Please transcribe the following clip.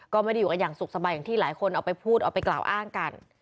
ก็ไม่ได้อยู่กันอย่างสุขสบายอย่างที่หลายคนเอาไปพูดเอาไปกล่าวอ้างกัน